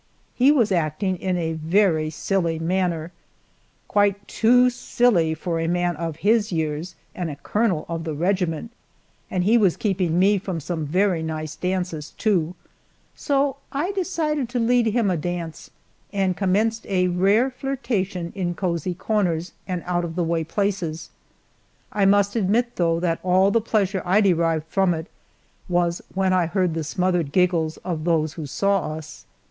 He was acting in a very silly manner quite too silly for a man of his years and a colonel of a regiment, and he was keeping me from some very nice dances, too, so I decided to lead him a dance, and commenced a rare flirtation in cozy corners and out of the way places. I must admit, though, that all the pleasure I derived from it was when I heard the smothered giggles of those who saw us.